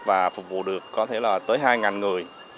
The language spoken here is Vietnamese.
và phục vụ được có thể là tới hai người